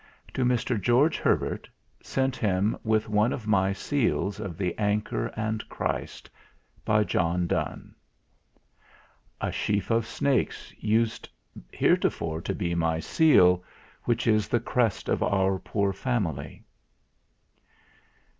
"TO MR. GEORGE HERBERT; "SENT HIM WITH ONE OF MY SEALS OF THE ANCHOR AND CHRIST. "_A Sheaf of Snakes used heretofore to be my Seal, which is the Crest of our poor family.